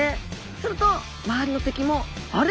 すると周りの敵もあれ？